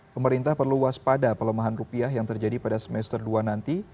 pemerintah perlu waspada pelemahan rupiah yang terjadi pada semester dua nanti